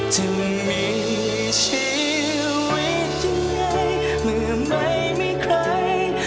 จะมีชีวิตยังไงเมื่อไม่มีใคร